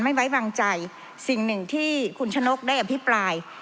ไม่ไว้วางใจสิ่งหนึ่งที่คุณฉนกได้แบบพี่ปลาย